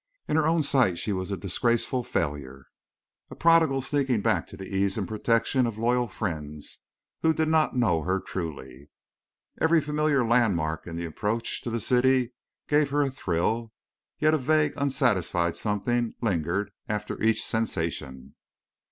In her own sight she was a disgraceful failure, a prodigal sneaking back to the ease and protection of loyal friends who did not know her truly. Every familiar landmark in the approach to the city gave her a thrill, yet a vague unsatisfied something lingered after each sensation.